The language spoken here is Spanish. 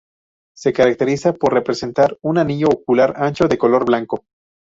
Se caracteriza por presentar un anillo ocular ancho de color blanco.